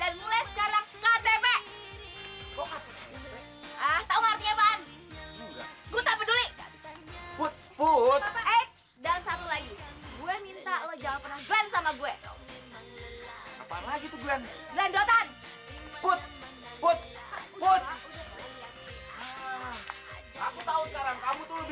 eh put put put